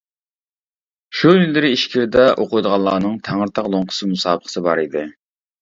شۇ يىللىرى ئىچكىرىدە ئوقۇيدىغانلارنىڭ تەڭرىتاغ لوڭقىسى مۇسابىقىسى بار ئىدى.